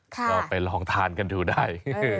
ก็ไปลองทานกันดูได้